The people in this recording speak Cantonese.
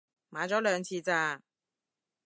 買咗兩次咋